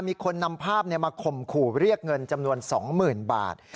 มีคนนำภาพมาข่มขู่เรียกเงินจำนวน๒๐๐๐บาท